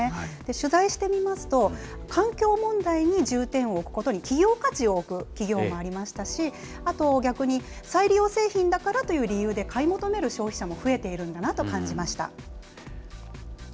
取材してみますと、環境問題に重点を置くことに企業価値を置く企業もありましたし、あと、逆に再利用製品だからという理由で買い求める消費者も増えているんだなと感じました。